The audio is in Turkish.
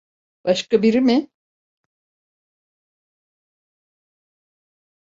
Başka biri mi?